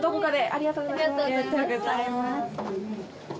ありがとうございます。